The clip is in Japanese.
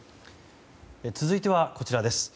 続いてはこちらです。